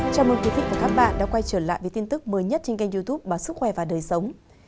chào mừng quý vị và các bạn đã quay trở lại với tin tức mới nhất trên kênh youtube báo sức khỏe và đời sống